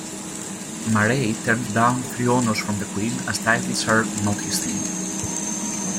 Murray turned down three honours from the Queen as titles are "not his thing".